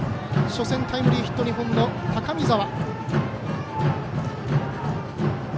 初戦、タイムリーヒット２本の高見澤。